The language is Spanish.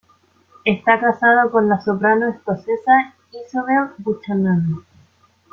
Está casado con la soprano escocesa Isobel Buchanan.